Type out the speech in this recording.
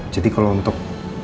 jadi kalau untuk